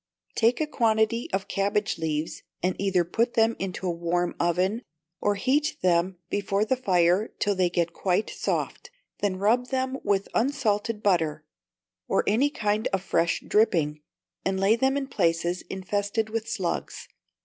Take a quantity of cabbage leaves, and either put them into a warm oven, or heat them before the fire till they get quite soft; then rub them with unsalted butter, or any kind of fresh dripping, and lay them in places infested with slugs.